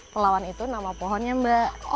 pelawan itu nama pohonnya mbak